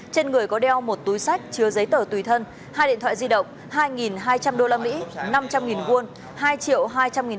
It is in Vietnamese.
trên người có đeo một túi sách chứa giấy tờ tùy thân hai điện thoại di động hai hai trăm linh usd